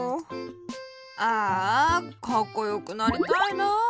ああカッコよくなりたいなあ。